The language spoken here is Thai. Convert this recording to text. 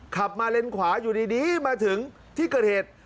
ขับมาเลนขวาอยู่ดีมาถึงที่เกิดเหตุ